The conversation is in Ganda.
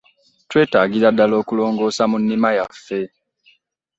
twetaaagira ddala okulongoosa mu nnima yaffe.